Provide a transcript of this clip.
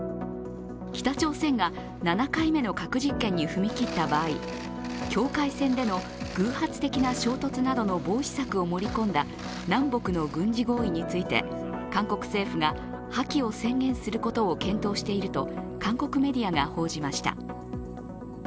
北朝鮮が７回目の核実験に踏み切った場合、境界線での偶発的な衝突などの防止策を盛り込んだ南北の軍事合意について韓国政府が破棄を宣言することを検討していると韓国メディアが報じました。